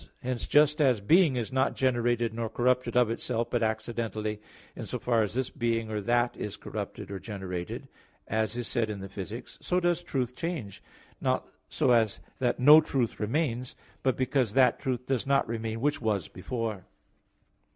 Hence just as being is not generated nor corrupted of itself, but accidentally, in so far as this being or that is corrupted or generated, as is said in Phys. i, so does truth change, not so as that no truth remains, but because that truth does not remain which was before.